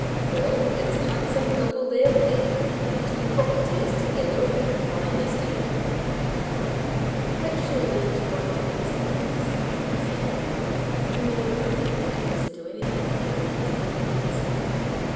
Well, it's a handsome couple they'll make! And the two properties together'll make a fine estate!" "I hope she'll learn to like the books he does," said Mary. "I never could get her to listen to anything for more than three minutes."